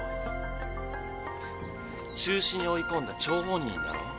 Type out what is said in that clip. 中止に追い込んだ張本人だろ。